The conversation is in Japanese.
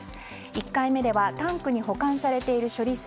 １回目ではタンクに保管されている処理水